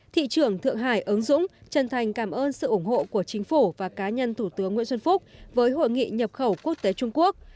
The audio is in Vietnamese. thị trưởng thượng hải ứng dũng chân thành cảm ơn sự ủng hộ của chính phủ và cá nhân thủ tướng nguyễn xuân phúc với hội nghị nhập khẩu quốc tế trung quốc